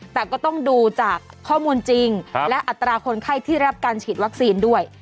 แต่ก็ต้องดูจากข้อมูลจริงและอัตราคนไข้ที่รับการฉีดวัคซีนด้วย